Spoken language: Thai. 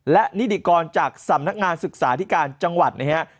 และนิติกรจากสำนักงานศึกษาธิการจังหวัดนะครับ